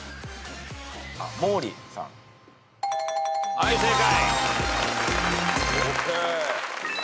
はい正解。